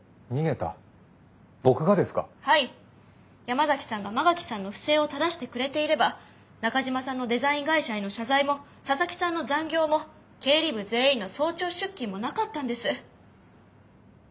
山崎さんが馬垣さんの不正をただしてくれていれば中島さんのデザイン会社への謝罪も佐々木さんの残業も経理部全員の早朝出勤もなかったんです。